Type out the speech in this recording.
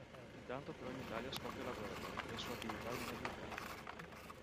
Intanto però in Italia scoppia la guerra, e la sua attività viene bloccata.